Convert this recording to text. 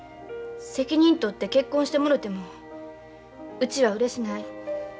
責任取って結婚してもろてもうちはうれしない。